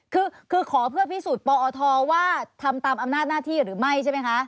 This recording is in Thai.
คือขอเพื่อพิสูจน์ปอทว่าทำตามอำนาจหน้าที่หรือไม่ใช่ไหมคะ